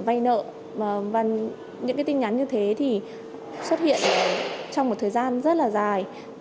vây nợ và những tin nhắn như thế thì xuất hiện trong một thời gian rất là dài